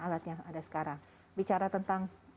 alat yang ada sekarang bicara tentang